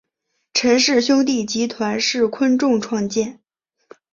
陈氏兄弟集团昆仲创建。